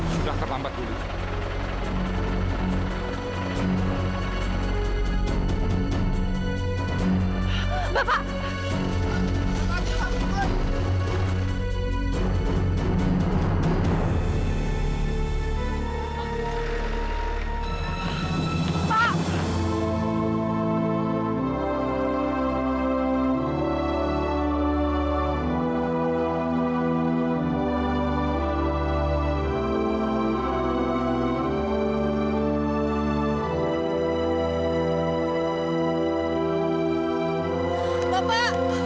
sudah terlambat juli